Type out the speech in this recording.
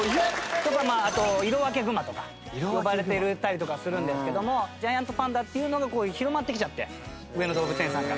あとイロワケグマとか呼ばれたりとかするんですけどもジャイアントパンダっていうのが広まってきちゃって上野動物園さんが。